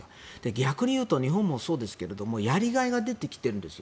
逆に言うと日本もそうですがやりがいが出てきているんです。